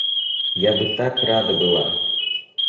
Я бы так рада была!